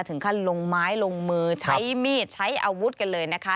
ถึงขั้นลงไม้ลงมือใช้มีดใช้อาวุธกันเลยนะคะ